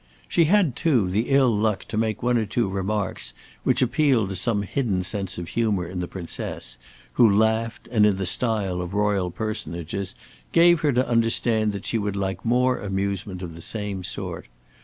She had, too, the ill luck to make one or two remarks which appealed to some hidden sense of humour in the Princess, who laughed and, in the style of royal personages, gave her to understand that she would like more amusement of the same sort.